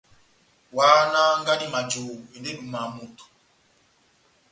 Ohahánaha ngadi majohó, endi edúmaha moto !